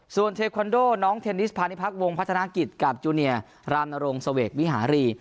ส่วนเทคอนโดน้องเทนนิสพาณิพักษวงพัฒนากิจกับจูเนียรามนรงเสวกวิหารี